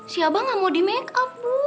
si aba nggak mau di makeup bu